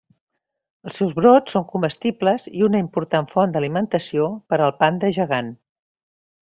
Els seus brots són comestibles i una important font d'alimentació per al panda gegant.